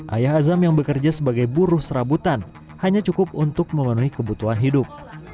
ayah azam yang bekerja sebagai buruh serabutan hanya cukup untuk memenuhi kebutuhan hidup